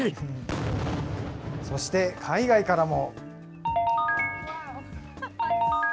そして海外からも。